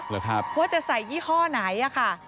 ว่าจะใส่ยี่ห้อไหน